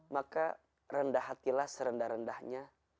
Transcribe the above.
maka rendah hatilah serendah rendahnya